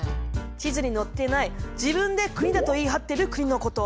地図に載っていない自分で国だと言い張ってる国のこと。